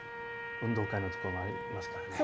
運動会のところもありますからね。